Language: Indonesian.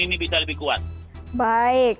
ini bisa lebih kuat baik